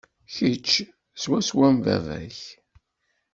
Kečč swaswa am baba-k.